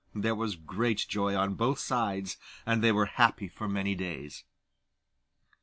There was great joy on both sides, and they were happy for many days.